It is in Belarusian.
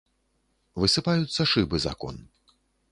Высыпаюцца шыбы з акон.